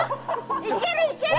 いけるいける！